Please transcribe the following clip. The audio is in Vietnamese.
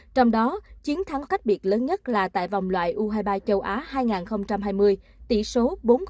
trong đó chiến thắng cách biệt lớn nhất là tại vòng loại u hai mươi ba châu á hai nghìn hai mươi tỷ số bốn